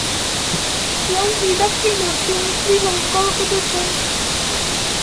L’homme vit d’affirmation plus encore que de pain.